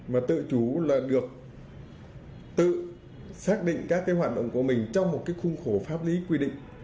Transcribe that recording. mà tự chủ là được tự xác định các cái hoạt động của mình trong một cái khung khổ pháp lý quy định